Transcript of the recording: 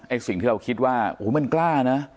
ไอ้สิ่งที่เราคิดว่าโอ้มันกล้านะอืม